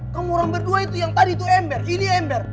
kamu orang berdua itu yang tadi itu ember ini ember